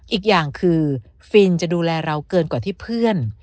อีกอย่างคือฟินจะดูแลเราเกินกว่าที่เพื่อน